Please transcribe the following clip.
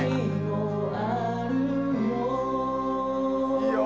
いいよ！